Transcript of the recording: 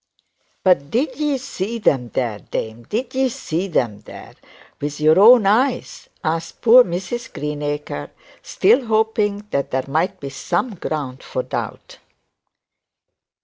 'But did 'ee zee 'em there, dame, did 'ee zee 'em then with your own eyes?' asked poor Mrs Greenacre, still hoping that there might be some ground for doubt.